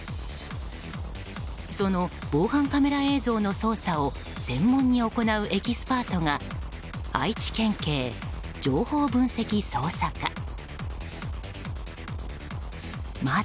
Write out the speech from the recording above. その防犯カメラ映像の捜査を専門に行うエキスパートが愛知県警情報分析捜査課。